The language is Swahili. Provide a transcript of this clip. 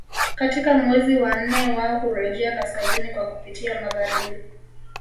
Katika mwezi wa nne wao hurejea kaskazini kwa kupitia magharibi